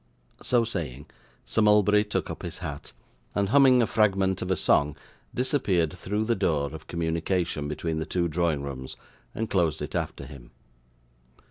So saying, Sir Mulberry took up his hat, and humming a fragment of a song disappeared through the door of communication between the two drawing rooms, and closed it after him.